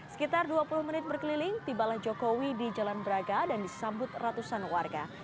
sekitar dua puluh menit berkeliling tibalah jokowi di jalan braga dan disambut ratusan warga